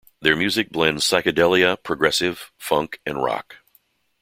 Their music blends psychedelia, progressive, funk, and rock.